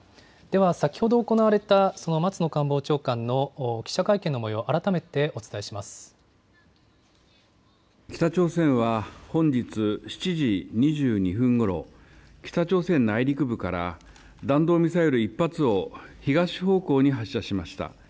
では、先ほど行われたその松野官房長官の記者会見のもよう、改めてお伝北朝鮮は本日７時２２分ごろ、北朝鮮内陸部から弾道ミサイル１発を、東方向に発射しました。